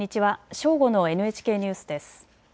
正午のＮＨＫニュースです。